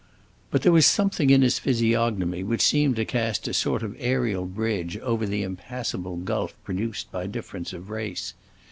But there was something in his physiognomy which seemed to cast a sort of aerial bridge over the impassable gulf produced by difference of race.